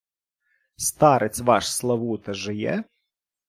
— Старець ваш Славута жиє?